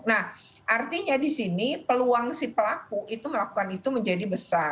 nah artinya di sini peluang si pelaku itu melakukan itu menjadi besar